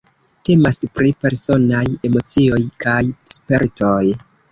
Temas pri personaj emocioj kaj spertoj.